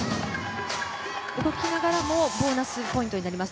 動きながらもボーナスポイントになります。